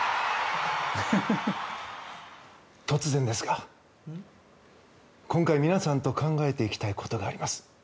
突然ですが今回、皆さんと考えていきたいことがあります。